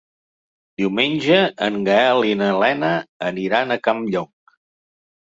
Diumenge en Gaël i na Lena aniran a Campllong.